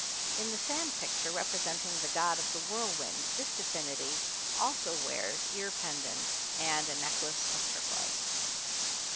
In the sand picture representing the God of the Whirlwind this divinity also wears ear pendants and a necklace of turquoise.